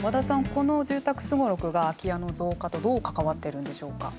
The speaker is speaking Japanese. この住宅すごろくが空き家の増加とどう関わってるんでしょうか。